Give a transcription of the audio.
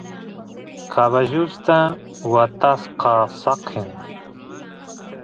caballuta watasqa saqen